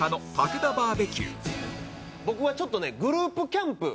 僕はちょっとねグループキャンプ。